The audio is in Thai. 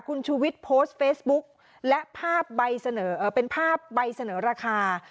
คุณชูวิทย์โพสต์เฟซบุ๊กและภาพใบเสนอเป็นภาพใบเสนอราคา